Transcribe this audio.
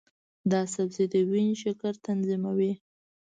دا سبزی د وینې شکر تنظیموي.